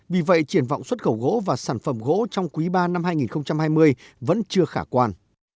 vì vậy triển vọng xuất khẩu gỗ và sản phẩm gỗ trong quý ba năm hai nghìn hai mươi vẫn chưa khả quan